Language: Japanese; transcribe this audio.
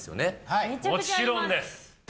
はい、もちろんです。